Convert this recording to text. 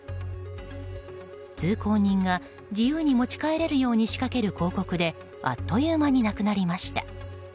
通行人が自由に持ち帰れるように仕掛ける広告であっという間になくなりました。